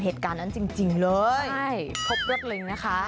เหตุการณ์นั้นจริงเลยพบรวดลิงนะคะครับ